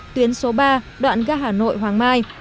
tuyến số ba đoạn gác hà nội hoàng mai